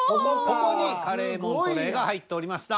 ここにカレ―モントレ―が入っておりました。